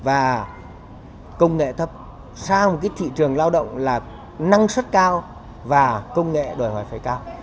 và công nghệ thấp sang một thị trường lao động là năng suất cao và công nghệ đòi hỏi phải cao